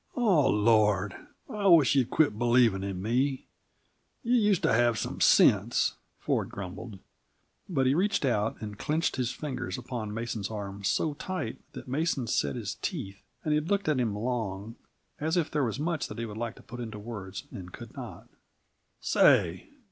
"Oh, Lord! I wish you'd quit believing in me! You used to have some sense," Ford grumbled. But he reached out and clenched his fingers upon Mason's arm so tight that Mason set his teeth, and he looked at him long, as if there was much that he would like to put into words and could not. "Say!